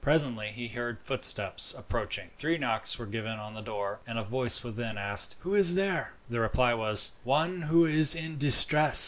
Presently he heard footsteps approaching three knocks were given on the door, and a voice within asked, "Who is there?" The reply was, "One who is in distress."